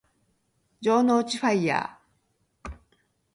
城之内ファイアー